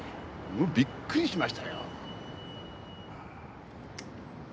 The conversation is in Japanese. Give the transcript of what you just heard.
もうびっくりしましたよ。